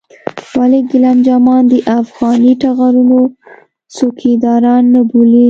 ولې ګېلم جمان د افغاني ټغرونو څوکيداران نه بولې.